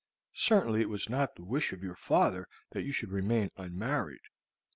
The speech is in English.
Certainly it was not the wish of your father that you should remain unmarried.